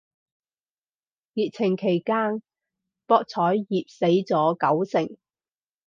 疫情期間博彩業死咗九成